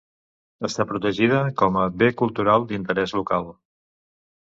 Està protegida com a Bé Cultural d'Interès Local.